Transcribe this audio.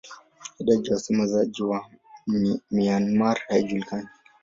Idadi ya wasemaji nchini Myanmar haijulikani.